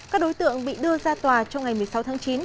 các đối tượng bị đưa ra tòa trong ngày một mươi sáu tháng chín